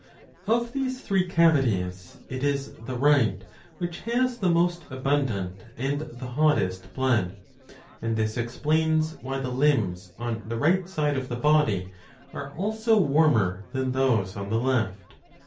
Of these three cavities it is the right which has the most abundant and the hottest blood,^''' and this explains why the limbs on the right side of the body are also warmer than those on the left.